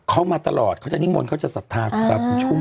เขามาตลอดเขาจะนิ้มนเขาจะชุม